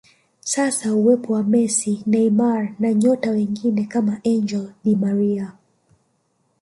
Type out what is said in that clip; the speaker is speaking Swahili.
Sasa uwepo wa Messi Neymar na nyota wengine kama Angel di Maria